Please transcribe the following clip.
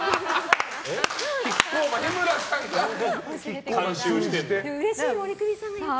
キッコーマンのだけど日村さんが監修してるの？